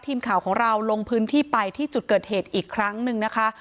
ทีมข่าวของเราลงพื้นที่ไปที่จุดเกิดเหตุอีกครั้งหนึ่งนะคะ